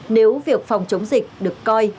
nếu việc phòng chống dịch được coi